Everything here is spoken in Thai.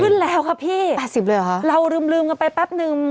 ขึ้นแล้วครับพี่แปดสิบเลยเหรอเราแล้วกันไปแป๊บหนึ่ง